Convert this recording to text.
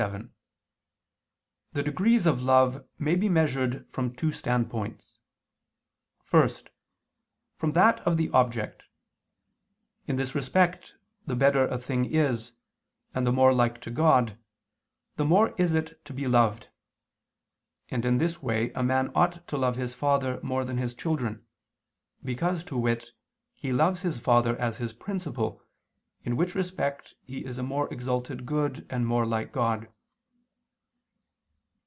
7), the degrees of love may be measured from two standpoints. First, from that of the object. In this respect the better a thing is, and the more like to God, the more is it to be loved: and in this way a man ought to love his father more than his children, because, to wit, he loves his father as his principle, in which respect he is a more exalted good and more like God.